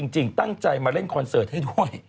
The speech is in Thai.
จริงตั้งใจมาเล่นคอนเสิร์ตให้ด้วย